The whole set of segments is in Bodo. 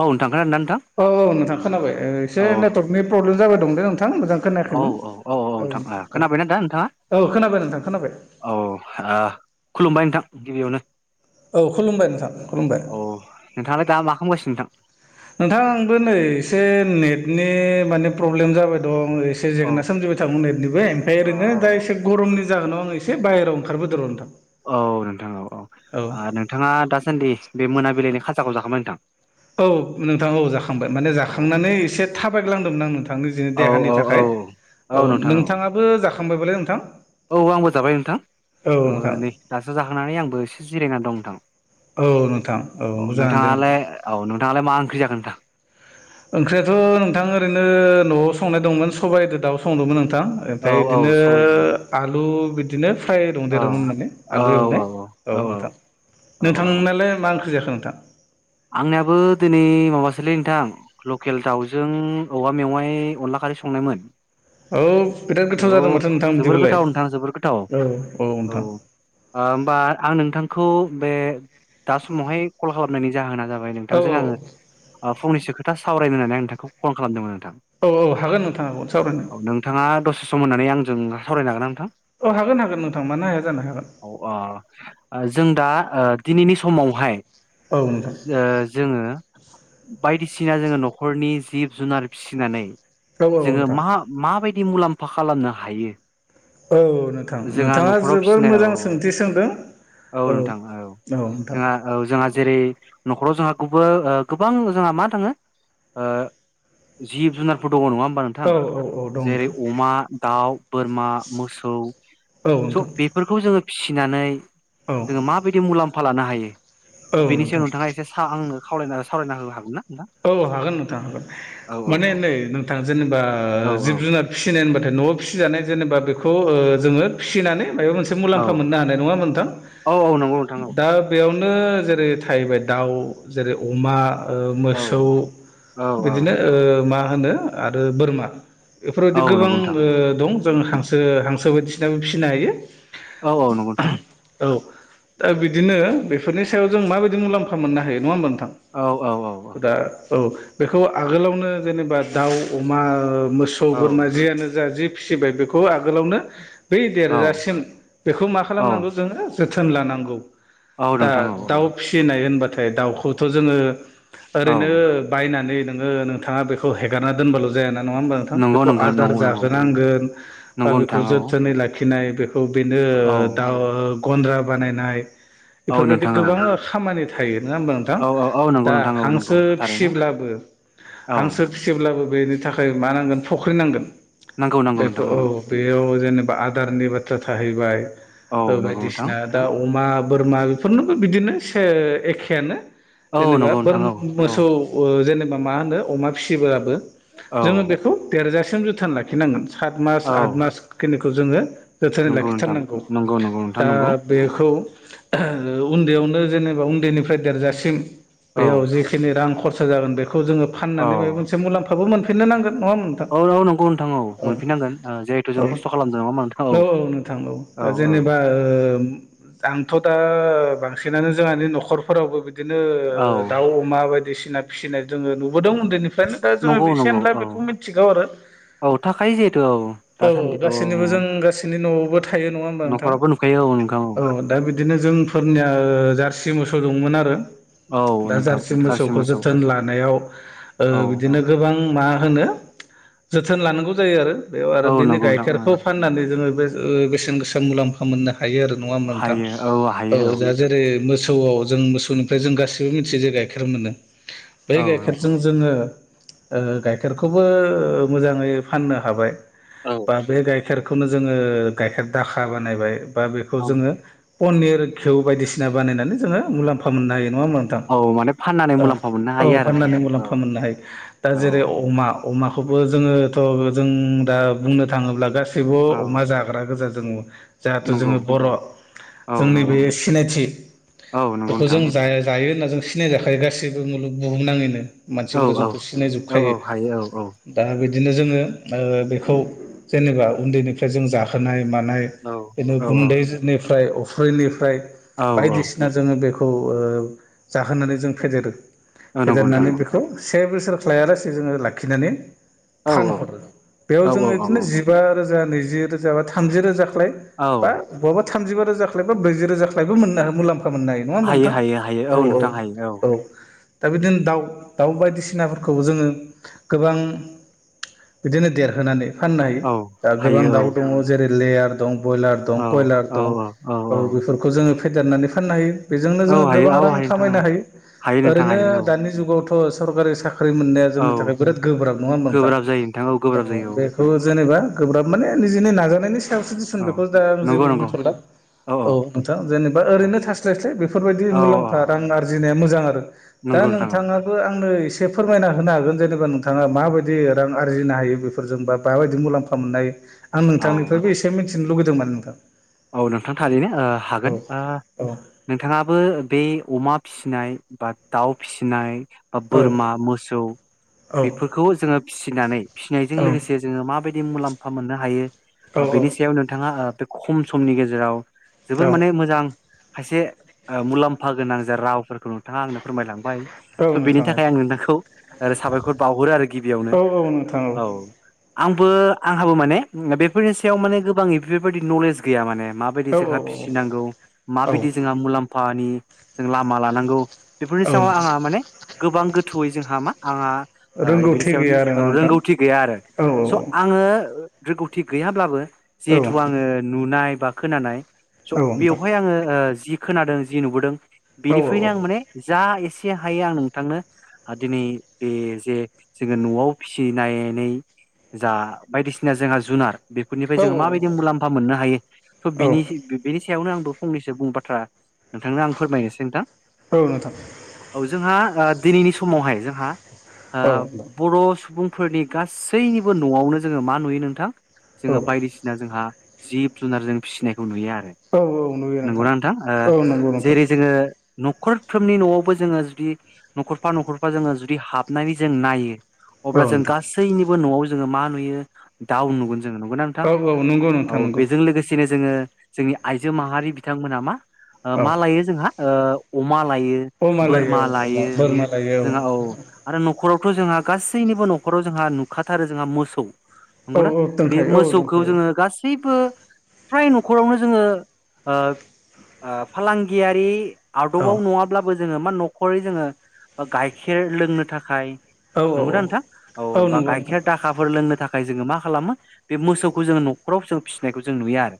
औ नोंथां खोनादोंना नोंथां औ औ नोंथां खोनाबाय ओ एसे औ नेटवर्कनि प्रब्लेम जाबाय दं दे नों थां मोजां औ खोनाखैमोन औ औ नोंथां ओ औ खोनाबायना दा नोंथाङा औ खोनाबाय नोंथां खोनाबाय औ ओ खुलुमबाय नोंथां गिबियावनो औ खुलुमबाय नोंथां खुलुमबाय औ नोंथाङालाय दा मा खालामगासिनो नोंथां नोंथां आंबो नै एसे नेटनि माने प्रब्लेम जाबाय दं ङ इसे औ जेंना सोमजिबाय थादों ओरैबोमफ्राय औ ओ औ दासे गरमनि जाहोनाव आं एसे बायेराव ओखारबोदों र' नोंथां औ नोंथां औ औ नोंथाङा दासान्दि बे मोनाबिलिनि खाजाखौ जाखांबाय नोंथां औ नोंथां औ जाखांबाय माने औ जाखांनानै एसे थाबायग्लांदोंमोन आं नोंथांनि जनि औ देहानि औ थाखाय औ नोंथां औ नोंथाङाबो जाखांबायबालाय नोंथां औ आंबो जाबाय नोंथां औ आंबो नोंथां नै दासो जाखोनानै आंबो एसे जिरायनानै दं नोंथां औ नोंथां औ मोजाङानो दे नोंथां नोंथाङालाय औ नोंथाङालाय मा ओंख्रि जागोन नोंथां ओंख्रियाथ' नोंथां ओरैनो न'आव संनाय दंमोन सबाइदो दाउ संदोंमोन नों थां औ ओमफ्राय औ बिदिनो सबायजों दाउ आलु बिदिनो फ्राय दंदेरोमोन माने आलु एवनाय औ नोंथां औ औ नोंथांनालाय मा ओंख्रि जाखो नोंथां आंनियाबो दिनै माबासोलै नोंथां लकेल दाउजों औवा मेवाइ अनला मारै संनायमोन औ बिराद गोथाव औ जादों माथो नोंथां जोबोर बिदिबालाय गोथाव नोंथां जोबोर गोथाव औ औ ओ नोंथां होमबा आं नोंथांखौ बे दा समावहाय कल खालामनायनि जाहोना जाबाय औ नोंथांजों आङो औ ओह फंनैसो खोथ ता सावरायनो होननानै आं नोंथांखौ कल खालामदोंमोन ता औ औ हागोन नोंथां हागोन सावरायनो औ नोंथाङा दसे सम होननानै आंजों सावरायनो हागोन आं थां औ हागोन हागोन नोंथां मानो हाया जानो हागोन औ आह जों दा ओ दिनैनि समावहाय औ नोंथां जो जोङो बायदिसिना जोङो न'खरनि जिब जुनार फिसिनानै औ औ जोङो नोंथां मा माबायदि मुलाम्फा खालामनो हायो औ नोंथां जोंहा नोंथाङा न'खराव जोबोर फिसिनाय औ मोजां सोंथि सोंदों औ नोंथां औ जोंहा औ जोंहा जेरै न'खराव जोंहा गुबो ओह गोबां जोंहा मा थाङो ओ जिब जुनारफोर दङ' नङा होमबा नोंथां औ औ औ दं जेरै नोंथां अमा दाउ बोरमा मोसौ औ सब नोंथां बेफोरखौ जोङो फिसि किनानै औ जोङो माबायदि मुलाम्फा लानो हायो औ नों थियो नोंथाङा एसे साहआंनो खावलायना सावरायना होनो हागौ ना नोंथां औ हागोन नोंथां हागोन औ औ माने औ नै नोंथां जेनेबा जिब जुनार फिसिनाय जेनबाथाय न'आव फिसिजानाय जेनेबा बेखौ ओ जोङो फिसिनानै मायबा मोनसे औ मुलाम्फा हानाय नङा होमबा नोंथां औ औ नंगौ नोंथां औ दा बेयाव नो जेरै थाहैबाय दाउ जेरै अमा ओह मोस तौ औ औ बिदिनो ओह मा होनो आरो बोरमा औ बेफोरबायदि गोबां नंगौ नोंथां ओ दं जों हांसो हांसो बायदिसिनाबो फिसिनो हायो औ औ नंगौ नोंथां। औ दा बिदिनो बेफोरनि सायाव जों माबायदि मुलाम्फा मोननो हायो नङा होमबा नोंथां। औ औ औ औ दा औ बेखौ आगोलावनो जेनेबा दाउ अमा ओ मोसौ बोरमा जियानो जा जि फिसिबाय बेखौ आगोलावनो। बै औ देरजासिम बेखौ मा औ खालामनांगौ जोङो जोथोन लानांगौ। औ दा नोंथां औ औ दाउ फिसिनाय होनबाथाय दाउखौथ' जोङो औ ओरैनो बायनानै नोङो नोंथाङा बेखौ हेगारना दोनबाल' जायाना। नङा होमबा नोंथां नंगौ बेखौ नंगौ आदार नंगौ नंगौ जोनांगोन बा नंगौ बेखौ नोंथां औ जोथोनै लाखिनाय बे खौ बेनो औ दाउ गन्द्रा बानायनाय औ बेफोरबायदि नोंथां औ गोबां खामानि थायो नङा होमबा नोंथां। औ औ औ नंगौ दा नोंथां औ नंगौ हांसो थारैनो फिसिब्लाबो औ हांसो फिसिब्लाबो बेनि थाखाय मा नांगोन फुख्रि नांगोन। नांगौ नांगौ बेखौ नोंथां औ बेयाव जेनेबा आदारनि बाथ्रा थाहैबाय ओ औ नंगौ नोंथां बायदिसिना दाउ अमा बोरमा बेफोरनोबो बिदिनो से एखेयानो औ नंगौ। नोंथां बोरम औ औ मोसौ ओ जेनेबा मा होनो अमा फिसिब्लाबो औ जोङो बेखौ देरजा सिम जोथोन लाखिनांगोन सात मास औ आट मास खिनिखौ जोङो जोथोनै नंगौ नोंथां लाखिथारनांगौ। नंगौ नंगौ नोंथां दा नंगौ बेखौ उन्दैयावनो जेनेबा उन्दैनिफ्राय देरजासिम औ बेयाव जिखिनि रां खरसा जागोन बेखौ जोङो औ फाननानै माबा मोनसे मुलाम्फाबो मोनफिननो नांगोन। नङा होमथां औ औ नंगौ नोंथां औ औ मोनफिननांगोन जिहेथु औ जों खस्थ' खालामदों नङा होमबा नोंथां औ नोंथां औ। दा जेनेबा ओ आंथ' दा बांसिनानो जोंहानि न'खरफोरावबो बिदिनो औ ओ अमा बायदिसिना फिसिनाय जोङो नुबोदों उन्दैनिफ्रायनो दा जोङो नंगौ इसे नंगौ एनला औ बेखौ मिथिगौ आरो। औ थाखायो जिहेथु औ औ दासान्दिथ' गासैनिबो जों गासैनि न'आव थायो नङा होमबा नोंथां न'खरावबो नुखायो औ नोंथां औ दा बि बिदिनो जोंफोरनिया ओ जारसि मोसौ दंमोन आरो। औ दा नोंथां जारसि मोसौखौ मोसौ जोथोन लानायाव ओ औ बिदिनो गोबां उम मा होनो जोथोन लानांगौ जायो आरो बेयाव आरो औ बेनि नंगौ नोंथां ओ गाइखेरखौ फाननानै जोङो बे ओ बेसेन गोसा मुलाम्फा हायो आरो नङा होमबा नोंथां। हायो औ हायो जा जेरै मोसौआव जों मोसौनिफ्राय जों गाससिबो मिथियो जे गाइखेर मोनो बै औ नंगौ गाइखेरजों जोङो ओ गाइखेरखौबो मोजाङै फाननो हाबाय औ बा बे गाय खेरखौनो जोङो गाइखेर दाखा बानायबाय बा बेखौ जोङो पनिर घिव बायदिसिना बानायनानै जोङो मुलाम्फा मोननो हायो नङामोनला नों थां। औ माने फाननानै औ मुलाम्फा मोननो औ हायो आरो फाननानै नोंथां औ मुलाम्फा मोननो हायो दा औ जेरै अमा अमाखौबो जोङोथ' जों दा बुंनो थाङोब्ला गासैबो औ अमा जाग्रा गोजा जोङो। जाहाथु नंगौ जोङो बर' औ जोंनि बे नंगौ सिनायथि औ नंगौ बेखौ नोंथां जों जाया जायो होन्ना जों सिनाय जाखायो गासैबो मुलुग बुहुमनाङैनो। औ मानसिफोरा औ जोंखौ सिनाय औ जोबखायो। औ हायो औ दा बि दिनो जोङो ओ बेखौ जेनेबा उन्दैनिफ्राय जों जाखानाय मानाय औ बिनो औ गुनदैजोनिफ्राय अफ्रिनिफ्राय औ औ बायदिसिना जोङो बे खौ ओ जाहोनानै जों फेदेरो औ नंगौ नोंथां फेदेरनानै औ बेखौ से बोसोर खालायालासे जोङो लाखिनानै औ फानहरो बेयाव औ जोङो औ औ बिदिनो औ जिबा रोजा नैजि रोजा बा थामजि रोजा ख्लय बा औ बहाबा थामिबा रोजा ख्लय बा ब्रैजि रोजाख्लय मोनो मुलाम्फा मोननो हायो नङा होमबा हायो नोंथां। हायो हायो औ नोंथां हायो औ। दा बिदिनो दाउ दाउ बायदिसिनाफोरखौ जोङो गोबां बिदिनो देरहोनानै फाननो हायो औ दा गोबां हायो दाउ दङ जेरै लेयार दं। बयलार दं औ कयलार औ दं औ बेफोरखौ जोङो फेदेरनानै फाननो हायो बेजोंनो जोङो औ हायो गोबां औ रां हायो नोंथां खामायनो हायो हायो नोंथां ओरैनो हायो दानि जुगावथ' सरकारि साख्रि साख्रि मोननाया औ औ जोंनि थाखाय बिराद गोब्राब नङा होनोमब नोंथां गोब्राब जायो नोंथां गोब्राब औ जायो बेखौ जेनेबा गोब्राब माने निजेनि नाजानायनि सायावसो दिसुन औ औ बेखौ दा आं नंगौ जेबो नंगौ बुंथ'ला औ नोंथां जेनेबा औ ओरैनो थास्लायस्लाय बेफोरबायदि औ औ मुलामफ रांआरजिनाया मोजां आरो दा नंगौ नोंथां औ नोंथाङाबो आंनो ए एसे फोरमायना होनो हागोन जेनेबा नोंथाङा माबायदि रां आरजिनो हायो बेफोरजों बा माबायदि मुलाम्फा मोननो हायो आं औ नोंथांनिफ्रायबो एसे मिथिनो लुगैदोंमोन नोंथां औ नोंथां थारैनो ओ हागोन औ ओ औ नोंथाङाबो बे अमा फिसिनाय बा दाउ फिसिनाय बा औ बोरमा मोसौ बेफोरखौ जोङो फिसिनानै फिसिनायजों औ लोगोसे जोङो माबायदि मुलाम्फा मोननो हायो बेनि सायाव औ नोंथाङा बे खम समनि गेजेराव जोबोर माने औ मोजां खायसे मुलाम्फा गोनां जा रावफोरखौ नोंथाङा आंनो फोरमायलांबाय औ थ' बेनि नोंथां थाखाय आं नोंथांखौ साबायखर बावहरो आरो गिबियावनो औ औ नोंथां औ आंबो आं आंबो माने बेफोरनि सायाव माने गोबां एफोरबायाददि नलेज गैया माने माबायदि औ औ जोंहा औ फिसिनांगौ माबायदि जोंहा मुलाम्फानि जों लामा लानांगौ बेफोरनि सायाव नोंथां आंहा माने गोबां गोथौयै जोंहा मा आंहा बिनि ओ रोंगौथि गैया आरोना सायाव नोंथां रोंगौ थि गैया आरो औ स आङो रोंगौथि गैयाब्लाबो औ जिहेथु आङो नुनाय बा खोनानाय स' औ नोंथां बेवहाय आङो जि खोनादों जि नुबोदों औ बेनिफ्रायनो आं माने जा एसे एसे हायो आं नोंथांनो दिनै बे जे जोङो न'आव फिसिनायनै जा बायदिसिना जोंहा जुनार बेफोरनिफ्राय जोङो औ माबायदि मुलाम्फा मोननो हायो स' औ बिनिसे बिबिनि सयावनो आंबो फंनसो बुं बाथ्रा नोंथांनो आं फोरमायनोसै नोंथां औ नोंथां औ जोंहा दिनैनि समावहाय जोंहा ओ औ बर' सुबुंफोरनि गासैनिबो न'आवनो जोङो मा नुयो नोंथां औ जोङो बायदिसिना जोंहा जिब जुनार जों फिसिनायखौ नुयो आरो औ नुयो नंगौना नोंथां ओ औ नंगौ नोंथां जेरै जोङो न'खरफ्रोमनि न'आवबो जोङो जुदि न'खरफा न'खरफा जोङो जुदि हाबनानै जों नायो औ अब्ला जों नोंथां गासैनिबो न'आव जोङो मा नुयो दाउ नुगोन जों औ औ नंगौ नों औ बेजों लोगोसेनो जोङो जोंनि आइजो माहारि बिथांमोना मा औ मा लायो जोंहा ओ अमा लायो अमा बोरमा औ अमा लायो बोरमा लायो जोंहा औ आरो न'खरावथ' जोंहा गासैनिबो न'खराव जोंहा नुखाथारो जोंहा मोसौ औ नंगौना औ बे दोनखायो औ मोसौखौ दोनखायो जोङो गासि बो फ्राय न'खरावनो जोङो ओ फालांगियारि औ आदबआव नङाब्लाबो जोङो मा न'खरै जोङो गाइखेर लोंनो थाखाय औ नंगौना औ नोंथां औ नंगौ नोंथां गाइखेर दाखाफोर लोंनो था थाखाय जोङो मा खालामो बे मोसौखौ जोङो न'खराव जों फिसिनाय जों नुयो आरो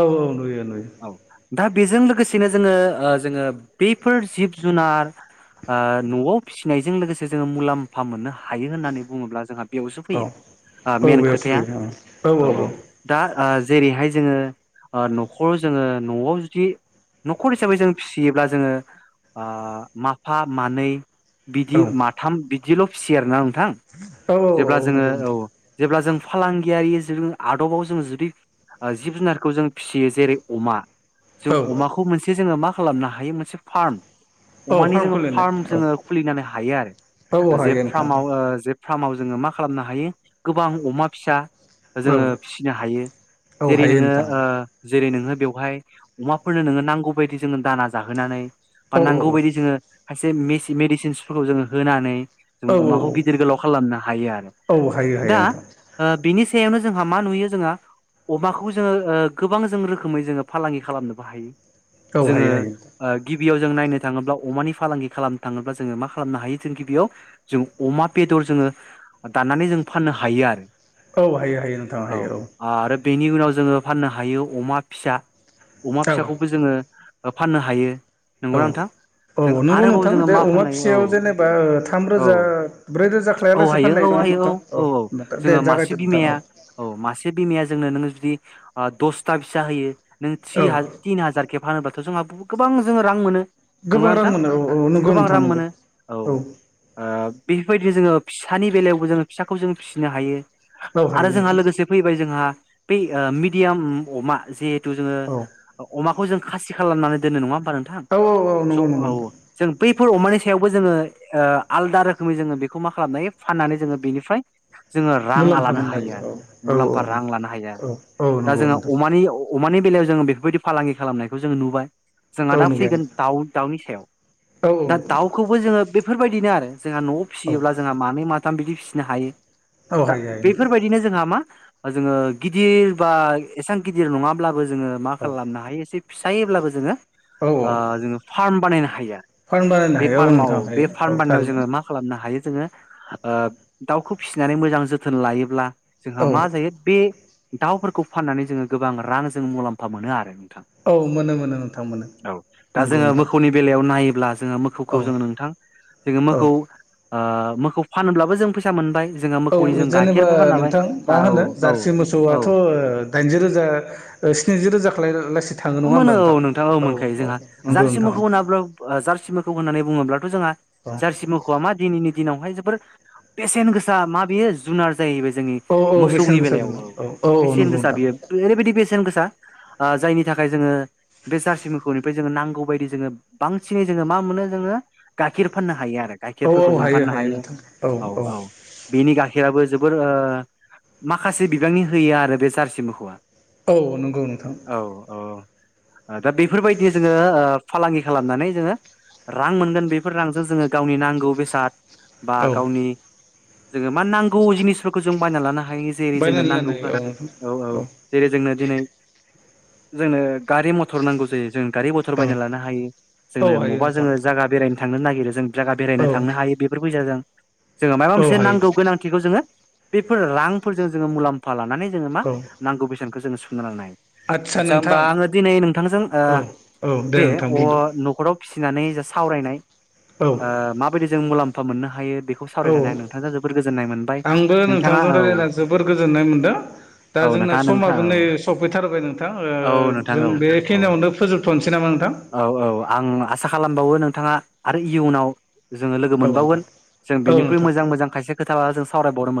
औ औ नुयो नुयो। औ दा बेजों लोगोसेनो जोङो जोङो बैफोर जिब जुनार ओ न'आव फिसिनायजों लोगोसे जोङो मुलाम्फा मोननो हा हायो होननानै बुङोब्ला जोंहा बेयावसो औ फैयो मेन खोथाया। औ औ दा जेरैहाय जोङो न'खराव जोङो न'आव जुदि न'खर हिसाबै जों फिसियोब्ला जोङो ओ माफा मानै बिदि माथाम बिदिल' फिसियो आरो ना थां औ जेब्ला औ जोङो नंगौ नोंथां औ जेब्ला जों फालांगियारि जु आदबाव जोङो जुदि जिब जुनारखौ जों फिसियो जेरै अमा जों औ अमाखौ मोनसे जोङो मा खालामनो हायो मोनसे फार्म औ अमानि जोङो खुलिनाय फार्म औ जोङो खुलिनानै हायो औ आरो जे हायो नोंथां फार्माव जे फ्रार्मव जोङो मा खालामनो हायो गोबां अमा फिसा औ जोङो फिसिनो हायो औ जेरै हायो नोङो नोंथां ओ जेरै नोङो बेवहाय अमाफोरनो नोङो नांगौ बायदि जोङो दाना जाहोनानै बा औ नांगौ औ बायदि जोङो खायसे मेडिसिनसफोरखौ जोङो होनानै जों औ अमाखौ गिदिर गोलाव खालामनो हायो आरो औ हायो हायो दा नोंथां बिनि सायावनो जोंहा मा नुयो जोंहा अमाखौ जोङो ओ गोबां जों रोखोमै जोङो फालांगि खालामनोबो हायो। औ जोङो हायो हायो ओ गि बियाव जों नायनो थाङोब्ला अमानि फालांगि खालामनो थाङोब्ला जोङो मा खालामनो हायो जों गिबियाव जों अमा बेदर जोङो दानानै जों फाननो हायो आरो। औ हायो हायो नोंथां हायो औ। बेनि उनाव जोङो फाननो हायो अमा फिसा अमा फिसाखौबो जोङो फाननो हायो औ नंगौना नोंथां। जों औ नोंगौ आरोबाव नोंथां जोङो दे मा अमा फाननो हायो औ फिसायाव जेनेबा थाम रोजा औ ब्रै रोजा औ खायालासे हायो फाननाय औ दं। हायो औ औ औ जोङो मासे बिमाया औ औ मासे बिमाया जोंनो नोङो जुदि दसथा फिसा होयो नों औ टिन हाजार के फानोबा थ' जोंहा गोबां जोङो रां मोनो नंगौना गोबां रां नोंथां मोनो औ औ नंगौ गोबां नोंथां राम नंगौ मोनो। औ बेफोरबायदिनो जोङो फि सानि बेलायावबो जोङो फिसाखौ जों फिसिनो हायो। औ आरो हायो। जोंहा नोंथां लोगोसे फैबाय जोंहा बै मेडियाम अमा जिहेतु जोङो औ अमा खौ जों खासि खालामनानै दोनो नङा होमबा नोंथां औ स' नंगौ नंगौ नोंथां औ जों बैफोर अमानि सायावबो जोङो ओ आलदा रोखोमै जोङो बेखौ मा खालामनो हायो फाननानै जोङो बेनिफ्राय जोङो रां मुलाम्फा लानो मोननो हायो औ आरो औ मुलाम्फा रां लानो हायो औ औ आरो दा नंगौ जोङो नोंथां अमानि अमानि बेलायाव जोङो बेफोरबायदि फालांगि खालामनायखौ जोङो नुबाय। जोंहा औ दा नंगौ फैगोन दाउ दाउनि सायाव औ दा दाउखौबो जोङो बेफोरबायदिनो आरो जोंहा न'आव औ फिसियोब्ला जोंहा मानै मा बिदि फिसिनो हायो, औ दा हायो हायो नोंथां बेफोरबायदिनो जोंहा जोङो गिदिर बा एसेबां गिदिर नङाब्लाबो जोङो मा औ खालामनो हायो एसे फिसायोब्लाबो जोङो औ ओ, औ जोङो फार्म बानायनो हायो फार्म बानायनो बे हायो औ फार्माव नोंथां बे हायो फार्म औ बानायनायाव जोङो थारैनो मा खालामनो हायो जोङो ओ, दाउखौ फिसिनानै मोजां जोथोन लायोब्ला जोंहा मा औ जायो बे दाउफोरखौ फाननानै जोङो गोबां रां, जों मुलाम्फा मोनो आरो औ मोनो मोनो नोंथां मोनो औ दा नंगौ जोङो नोंथां मोखौनि बेलायाव नायो जोङो औ मोखौखौ जोङो नोंथां, जोङो औ मोखौ मोखौ फानोब्लाबो जों फैसा मोनबाय जोंहा मोखौनि औ जों जेनेबा गाइखेरबो फाननो हाबाय नोंथां मा औ होनो औ जारसि मोसौआथ' औ दाइनजि रोजा स्निजि रोजा खालाय ला मोनो औ नोंथाङा औ मोनखायो जोंहा नंगौ जारसि नोंथां मोखौ मोनाब्ला जारसि म होननानै बुङोब्लाथ' जोंहा औ जारसि मोखौआ मा दिनैनि दिनावहाय जोबोर बेसेन गोसा मा बेयो जुनार जाहैबाय जोंनि औ औ बेसेन मोसौनि गोसा बेलायाव गोनां औ औ बेसेन नंगौ गोसा नोंथां बियो ओरैबायदि बेसेन गोसा ओ, जायनि थाखाय जोङो बे जारसि मोखौनिफ्राय जोङो नांगौ बायदि जोङो बांसिनै जोङो मा मोनो जोङो गाखिर फाननो हायो आरो गाइखेरफोरखौ जों फाननो हायो। औ औ बेनि गाइखेराबो जोबोर ओ, माखासे बिबांनि होयो आरो बे जारसि मोसौआ औ नंगौ नोंथां दा बेफोरबायदि जोङो फालांगि खालामनानै जोङो रां मोनगोन बेफोर रांजों जोङो गावनि नांगौ बेसाद बा औ गावनि, जोङो मा नांगौ जिनिस फोरखौ जों बायना लानो हायो जेरै जोंनो बायनानै लानो नांगौ औ औ जेरै जोंनो दिनै जोंनो गारि मथर नांगौ जायो जों गारि मथर बायना लानो हायो जोङो हायो औ मबा नोंथां जोङो जागा बेरायनो थांनो नागिरो जों जागा औ बेरायनो औ थांनो हायो बेफोर फैसाजों जोङो मायबा औ हायो नोंथां औ मोनसे हायो नांगौ गोनांथिखौ जोङो बेफोर रांफोरजों जोङो मुलाम्फा लानानै जोङो मा औ नांगौ बेसेनखौ जोङो सुफुंना लानो हायो आदसा होमबा आङो दिनै नोंथांजों ओ औ औ दे बे नोंथां अ, बुंदो न'खराव फिसिनानै जा सावरायनाय औ ओ, माबायदि जों मुलाम्फा मोननो हायो बेखौ सावरायनानै आं औ नोंथांजों जोबोर गोजोननाय मोनबाय आंबो नोंथाङा नोंथांजों औ रायज्लायना जोबोर गोजोननाय मोनदों दा औ जोंना नोंथाङा नोंथां समाबो नै औ सफैथारबाय नोंथां ओ, औ नोंथां जों औ औ बेखिनियावनो फोजोबथ'नोसै नामा नोंथां औ औ आं आसा खालामबावो नोंथाङा आरो इयुनाव जोङो लोगो औ नोंथां मोनबावगोन जों औ बेनिख्रुइ नोंथां मोजां मोजां खायसे खोथा लानानै जों सावरायबावनो मोन